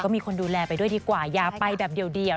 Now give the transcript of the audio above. มีคนดูแลไปด้วยดีกว่าอย่าไปแบบเดียว